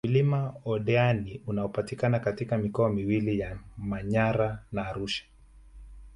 Mlima Oldeani unaopatikana katika mikoa miwili ya Manyara na Arusha